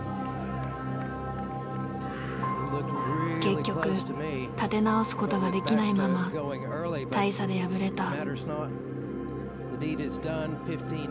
結局立て直すことができないまま大差で敗れた。